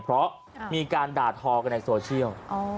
เพราะมีการด่าทอกันในโซเชียล